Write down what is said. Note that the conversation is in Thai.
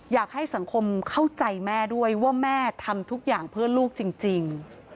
อยากให้สังคมเข้าใจแม่ด้วยว่าแม่ทำทุกอย่างเพื่อลูกจริง